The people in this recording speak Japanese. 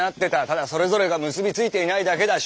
ただそれぞれが結び付いていないだけだ。